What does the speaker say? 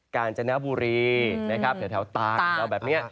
กาญจณะบุรีนะครับแถวตาแบบนี้